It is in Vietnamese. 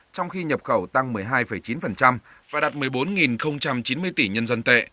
trong khi nhập khẩu tăng một mươi hai chín và đạt một mươi bốn chín mươi tỷ nhân dân tệ